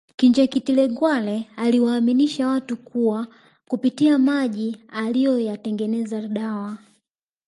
Kinjeketile Ngwale aliyewaaminisha watu kuwa kupitia maji aliyoyatengeneza dawa